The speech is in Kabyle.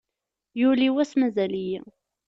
Yuli wass mazal-iyi.